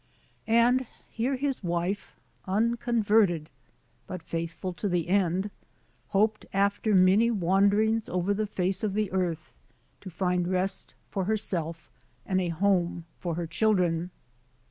And here his wife, unconverted but faithful to the end, hoped, after many wan 1 derings over the face of the earth, to find rest for uierself and a home for her children.